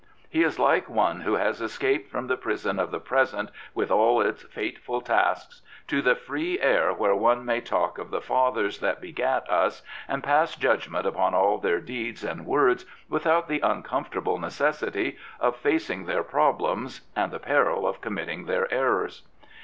He is like one who has escaped from the prison of the present with all its fateful tasks to the free air where one may talk of the fathers that begat us and pass judgment upon all their deeds and words without the uncomfortable necessity of facing their problems and the peril of committing their errors.